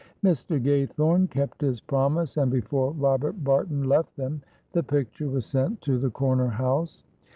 Mr. Gaythorne kept his promise, and before Robert Barton left them, the picture was sent to the corner house.